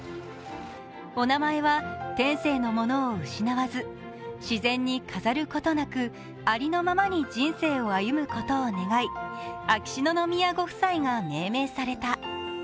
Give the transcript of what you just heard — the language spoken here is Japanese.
お名前は天性のものを失わず、自然に飾ることなくありのままに人生を歩むことを願い、秋篠宮ご夫妻が命名された。